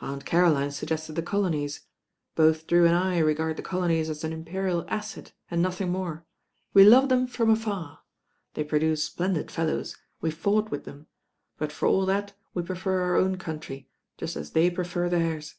"Aunt Caroline suggests the colonies; both Drew and I regard the colonies as an Imperial asset and nothing more. We love them from afar. They produce splendid fellows — ^weVe fought with them; but for all that we prefer our own country, just as they prefer theirs."